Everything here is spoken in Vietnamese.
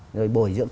rồi bồi dưỡng